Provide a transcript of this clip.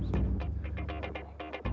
assalamualaikum warahmatullahi wabarakatuh